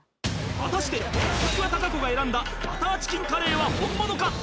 果たして常盤貴子が選んだバターチキンカレーは本物か？